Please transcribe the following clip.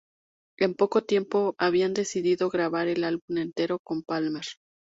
En poco tiempo, habían decidido grabar el álbum entero con Palmer.